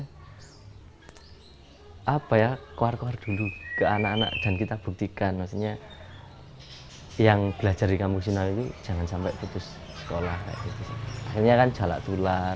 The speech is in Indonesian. hai apa ya keluar keluar dulu ke anak anak dan kita buktikan maksudnya yang belajar di kampung sinaw itu jangan sampai putus sekolah akhirnya kan jalak tular